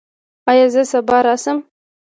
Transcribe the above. ایا زه سبا راشم؟